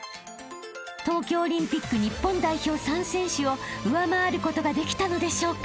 ［東京オリンピック日本代表３選手を上回ることができたのでしょうか］